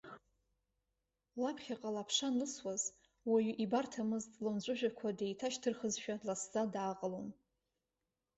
Лаԥхьаҟала аԥша анлысуаз, уаҩ ибарҭамыз лымҵәыжәҩақәа деиҭашьҭырхызшәа, дласӡа дааҟалон.